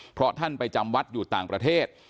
เพราะท่านไปจำวัดอยู่ต่างประเทศ